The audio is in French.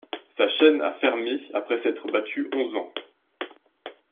Sa chaîne a fermé après s'être battu onze ans.